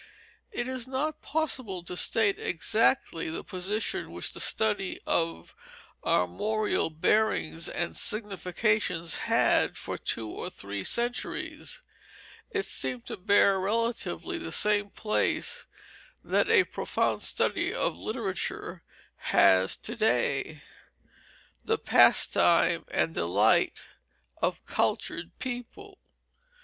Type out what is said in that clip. It is not possible to state exactly the position which the study of armorial bearings and significations had for two or three centuries. It seemed to bear relatively the same place that a profound study of literature has to day the pastime and delight of cultured people.